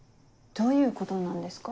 どういうことなんですか？